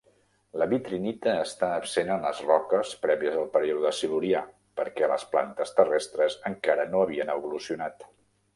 La vitrinita està absent en les roques prèvies al període Silurià perquè les plantes terrestres encara no havien evolucionat.